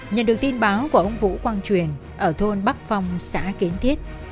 nhận được tin báo của ông vũ quang truyền ở thôn bắc phong xã kiến thiết